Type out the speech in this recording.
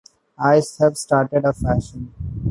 I've started a fashion.